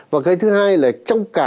và cái thứ hai là trong cả